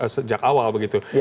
sejak awal begitu